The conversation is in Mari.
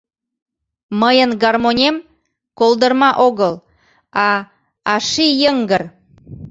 Мыйын гармонем колдырма огыл, а… а ший йыҥгыр!